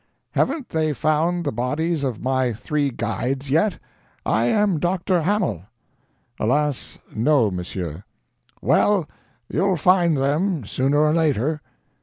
"Haven't they found the bodies of my three guides, yet? I am Dr. Hamel." "Alas, no, monsieur." "Well, you'll find them, sooner or later."